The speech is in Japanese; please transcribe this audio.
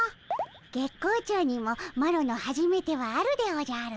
月光町にもマロのはじめてはあるでおじゃる。